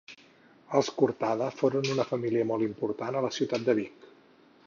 Els Cortada foren una família molt important a la ciutat de Vic.